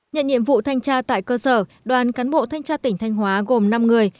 nhận nhiệm vụ thanh tra tại cơ sở đoàn cán bộ thanh tra tỉnh thanh hóa gồm năm người